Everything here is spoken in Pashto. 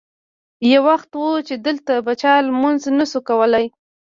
یو وخت و چې دلته به چا لمونځ نه شو کولی.